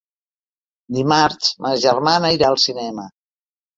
Dimarts ma germana irà al cinema.